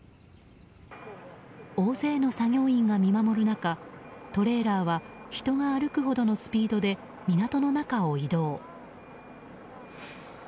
大勢の作業員が見守る中トレーラーは人が歩くほどのスピードで港の中を移動。